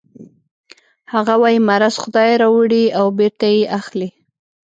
هغه وايي مرض خدای راوړي او بېرته یې اخلي